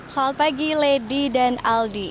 selamat pagi lady dan aldi